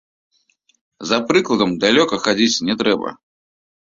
За прыкладам далёка хадзіць не трэба.